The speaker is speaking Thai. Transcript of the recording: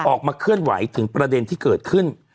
ออกมาเคลื่อนไหวถึงประเด็นที่เกิดขึ้น